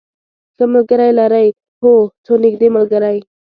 ښه ملګری لرئ؟ هو، څو نږدې ملګری